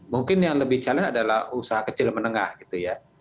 mungkin yang lebih challenge adalah usaha kecil menengah gitu ya